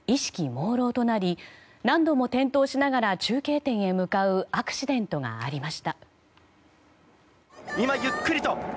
もうろうとなり何度も転倒しながら中継点へ向かうアクシデントがありました。